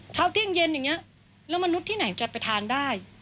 เที่ยงเย็นอย่างนี้แล้วมนุษย์ที่ไหนจะไปทานได้